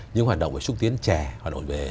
những hoạt động về xúc tiến trẻ hoạt động về